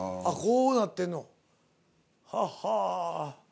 あっこうなってんの。はっは。